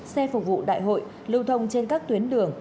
xe phục vụ đại hội lưu thông trên các tuyến đường